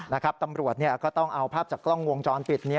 ตำรวจก็ต้องเอาภาพจากกล้องวงจรปิด